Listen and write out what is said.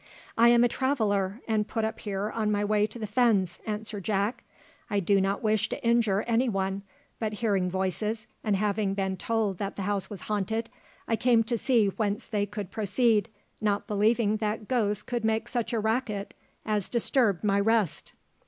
"I am a traveller, and put up here on my way to the fens," answered Jack. "I do not wish to injure any one, but hearing voices, and having been told that the house was haunted, I came to see whence they could proceed, not believing that ghosts could make such a racket as disturbed my rest."